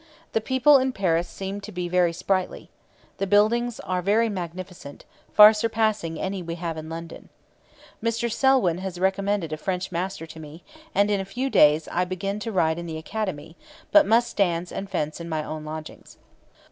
The people [in Paris] seem to be very sprightly. The buildings are very magnificent, far surpassing any we have in London. Mr Selwin has recommended a French master to me, and in a few days I begin to ride in the Academy, but must dance and fence in my own lodgings.